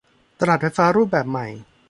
ตลาดไฟฟ้ารูปแบบใหม่